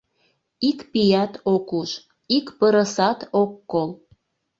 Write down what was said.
Ик пият ок уж, ик пырысат ок кол.